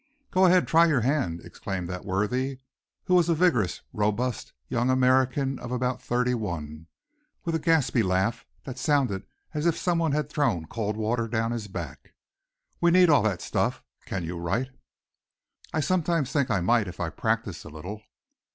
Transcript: "Go ahead, try your hand," exclaimed that worthy, who was a vigorous, robust, young American of about thirty one, with a gaspy laugh that sounded as if someone had thrown cold water down his back. "We need all that stuff. Can you write?" "I sometimes think I might if I practiced a little."